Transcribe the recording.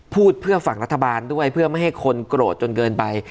พูดเพื่อฝั่งรัฐบาลด้วยเพื่อไม่ให้คนโกรธจนเกินไป